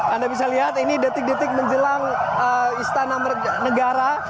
anda bisa lihat ini detik detik menjelang istana negara